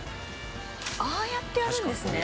ああやってやるんですね。